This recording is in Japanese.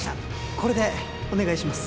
これでお願いします